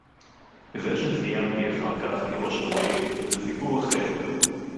זה שסיימתי אחר כך כראש פרויקט זה סיפור אחר